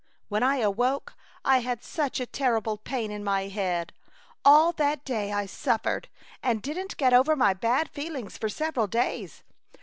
When I awoke I had such a terrible pain in my head ! All that day I suffered, and didn't get over my bad feelings for several days.